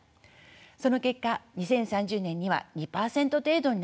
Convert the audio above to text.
その結果２０３０年には２％程度になります。